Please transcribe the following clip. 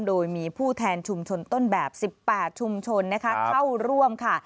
โดยมีผู้แทนชุมชนต้นแบบ๑๘ชุมชนนะคะเข้าร่วมค่ะ